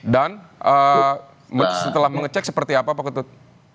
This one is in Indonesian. dan setelah mengecek seperti apa pak ketut